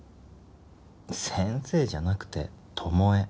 「先生」じゃなくて「巴」。